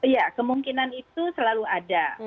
ya kemungkinan itu selalu ada